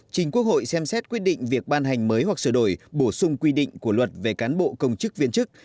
trình quốc hội xem xét quyết định việc ban hành mới hoặc sửa đổi bổ sung quy định của luật về cán bộ công chức viên chức